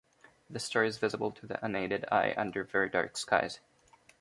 The star is visible to the unaided eye under very dark skies.